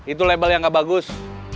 itu label yang gak bagus